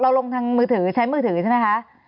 ลงทางมือถือใช้มือถือใช่ไหมคะ